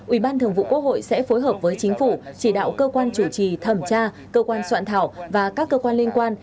ủy ban thường vụ quốc hội sẽ phối hợp với chính phủ chỉ đạo cơ quan chủ trì thẩm tra cơ quan soạn thảo và các cơ quan liên quan